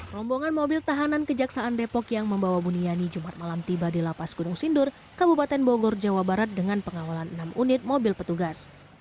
rombongan mobil tahanan kejaksaan depok yang membawa buniani jumat malam tiba di lapas gunung sindur kabupaten bogor jawa barat dengan pengawalan enam unit mobil petugas